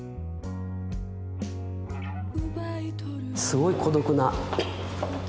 すごい孤独な。